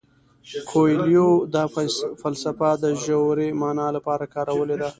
کویلیو دا فلسفه د ژورې مانا لپاره کارولې ده.